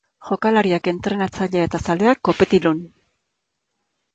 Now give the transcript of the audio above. Jokalariak, entrenatzailea eta zaleak, kopetilun.